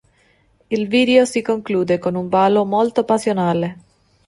Il video si conclude con un ballo molto passionale.